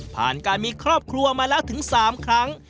ผ่านการมีครอบครัวมาแล้วถึง๓ครั้ง